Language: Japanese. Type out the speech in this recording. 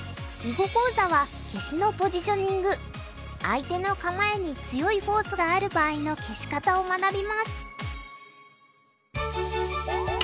相手の構えに強いフォースがある場合の消し方を学びます。